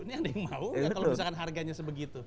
ini ada yang mau nggak kalau misalkan harganya sebegitu